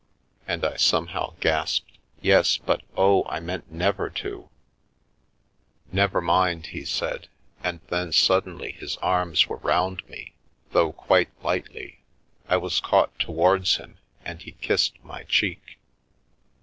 " and I somehow gasped " Yes — but, oh, I meant never to !" 229 The Milky Way " Never mind/' he said, and then suddenly his arms were round me, though quite lightly; I was caught to wards him, and he kissed my cheek.